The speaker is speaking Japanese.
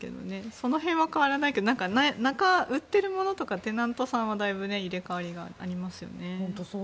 その辺は変わらないけど売っているものとかテナントさんは入れ替わりがありますよね。